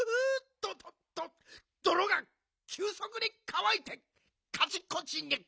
どっどろがきゅうそくにかわいてカチコチに？